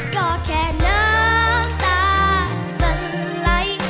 ก็แค่น้ำตามันไหล